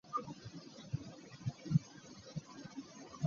Ekyo kirina okolebwang olunaku lulamba.